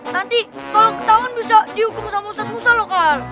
nanti kalau ketahuan bisa dihukum sama ustadz musa lo kak